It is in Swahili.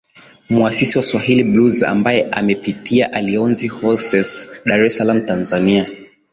mwasisi wa swahili blues ambaye amepitia alionzi hoses dar es salaam tanzania